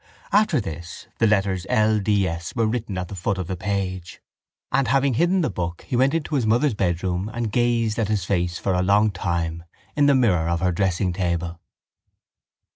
After this the letters L. D. S. were written at the foot of the page, and, having hidden the book, he went into his mother's bedroom and gazed at his face for a long time in the mirror of her dressingtable.